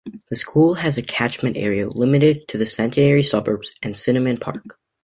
The school has a catchment area limited to the Centenary suburbs and Sinnamon Park.